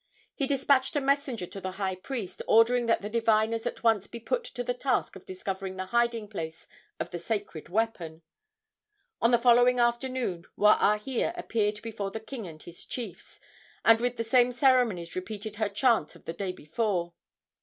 He despatched a messenger to the high priest, ordering that the diviners at once be put to the task of discovering the hiding place of the sacred weapon. On the following afternoon Waahia appeared before the king and his chiefs, and with the same ceremonies repeated her chant of the day before.